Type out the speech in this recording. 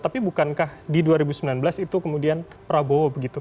tapi bukankah di dua ribu sembilan belas itu kemudian prabowo begitu